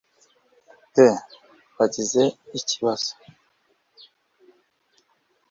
be bagize ikibaz